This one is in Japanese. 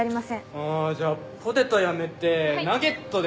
あじゃあポテトやめてナゲットで。